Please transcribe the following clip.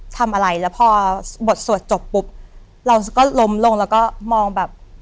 ทำอะไรแล้วพอบทสวดจบปุ๊บเราก็ล้มลงแล้วก็มองแบบ